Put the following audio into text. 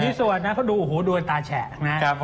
มีส่วนนะเค้าดูโอ้โหดูไว้ตาแฉะนะ